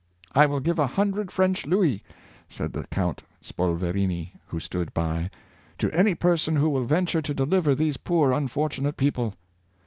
'' I will give a hundred French louis," said the Count Spolverini, who stood by, " to any person who will venture to deliver these poor unfortunate people.""